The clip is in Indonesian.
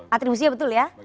atribusinya betul ya